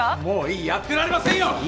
もういいやってられませんよ！